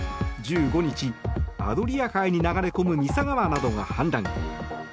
１５日、アドリア海に流れ込むミサ川などが氾濫。